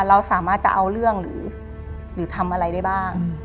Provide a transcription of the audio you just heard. เราสามารถจะเอาเรื่องหรือทำอะไรได้บ้าง